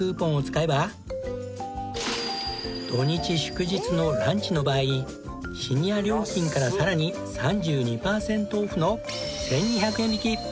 土日・祝日のランチの場合シニア料金からさらに３２パーセントオフの１２００円引き！